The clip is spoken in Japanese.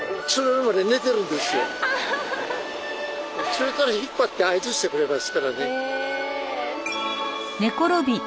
釣れたら引っ張って合図してくれますからね。